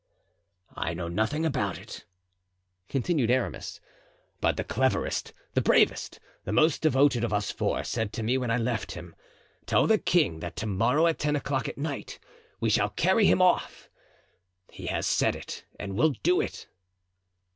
"I know nothing about it," continued Aramis, "but the cleverest, the bravest, the most devoted of us four said to me when I left him, 'Tell the king that to morrow at ten o'clock at night, we shall carry him off.' He has said it and will do it."